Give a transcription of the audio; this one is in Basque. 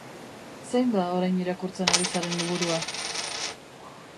Zein da orain irakurtzen ari zaren liburua?